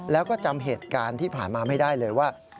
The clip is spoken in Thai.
แล้วก็จำเหตุการณ์ที่ผ่านมาไม่ได้เลยว่า